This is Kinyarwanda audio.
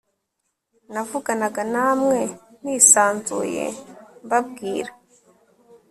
Navuganaga namwe nisanzuye mbabwira